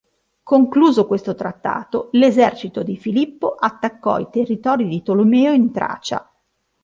Concluso questo trattato, l'esercito di Filippo attaccò i territori di Tolomeo in Tracia.